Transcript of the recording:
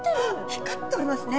光っておりますね。